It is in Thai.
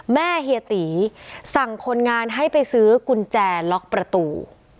เฮียตีสั่งคนงานให้ไปซื้อกุญแจล็อกประตู